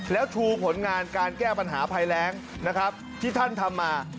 แล้วชูผลงานการแก้ปัญหาภัยแรงนะครับที่ท่านทำมา